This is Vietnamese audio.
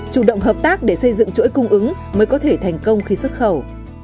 chủ động hợp tác để xây dựng chuỗi cung ứng mới có thể thành công khi xuất khẩu